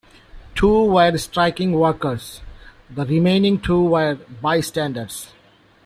Two were striking workers; the remaining two were bystanders.